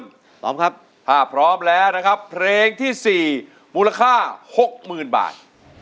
พร้อมครับถ้าพร้อมแล้วนะครับเพลงที่๔มูลค่า๖๐๐๐บาท